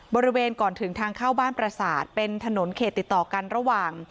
บริเวณก่อนถึงทางเข้าบ้านประสาทเป็นถนนเขตติดต่อกันระหว่าง